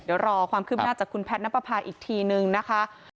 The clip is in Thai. เดี๋ยวรอความคืบหน้าจากคุณแพทย์นับประพาอีกทีนึงนะคะ